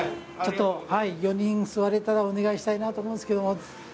４人座れたらお願いしたいなと思うんですけども。